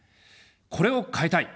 これを変えたい。